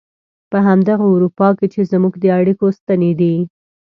په همدغه اروپا کې چې زموږ د اړيکو ستنې دي.